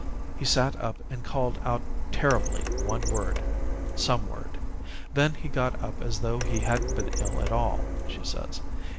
"He sat up and called out terribly one word some word. Then he got up as though he hadn't been ill at all, she says.